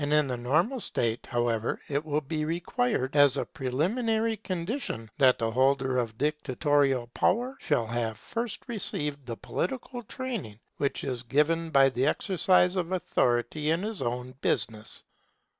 In the normal state, however, it will be required as a preliminary condition, that the holder of dictatorial power shall have first received the political training which is given by the exercise of authority in his own business.